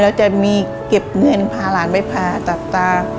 แล้วจะมีเก็บเงินพาหลานไปผ่าตัดตา